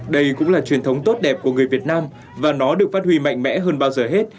đây cũng là truyền thống tốt đẹp của người việt nam và nó được phát huy mạnh mẽ hơn bao giờ hết